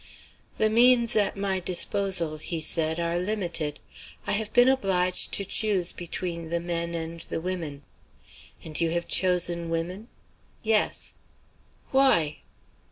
"The means at my disposal," he said, "are limited. I have been obliged to choose between the men and the women." "And you have chosen women?" "Yes." "Why?"